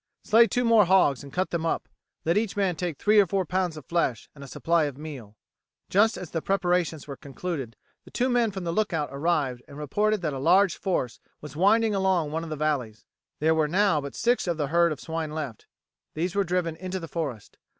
Slay two more hogs and cut them up. Let each man take three or four pounds of flesh and a supply of meal." Just as the preparations were concluded the two men from the lookout arrived and reported that a large force was winding along one of the valleys. There were now but six of the herd of swine left these were driven into the forest.